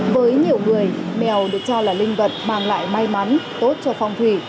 với nhiều người mèo được cho là linh vật mang lại may mắn tốt cho phong thủy